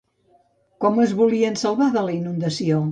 Com es volien salvar de la inundació?